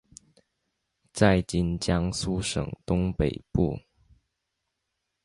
在今江苏省东北部。